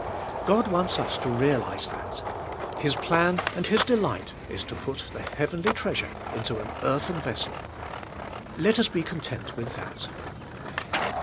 God wants us to realize that. His plan and His delight is to put the heavenly treasure into an earthen vessel. Let us be content with that.